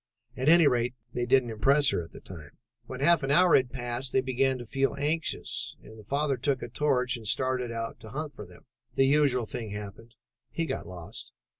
At any rate, they didn't impress her at the time. "When half an hour had passed they began to feel anxious, and the father took a torch and started out to hunt for them. The usual thing happened; he got lost.